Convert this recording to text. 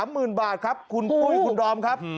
หมื่นบาทครับคุณปุ้ยคุณดอมครับ